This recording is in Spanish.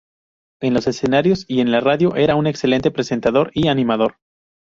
En los escenarios y en la radio era un excelente presentador y animador.